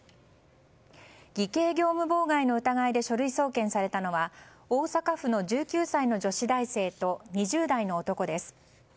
偽計業務妨害の疑いで書類送検されたのは大阪府の１９歳の女子大生と２０代の男です。